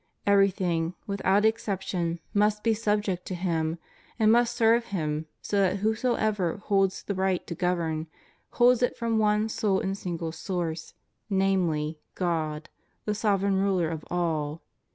Everything, without exception, must be subject to Him, and must serve Him, so that whosoever holds the right to govern, holds it from one sole and single source, namely, God, the Sovereign Ruler of all.